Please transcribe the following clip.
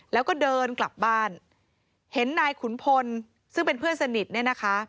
แล้วก็เดินกลับบ้านเห็นนายขุนพลซึ่งเป็นเพื่อนสนิทเนี่ยนะคะ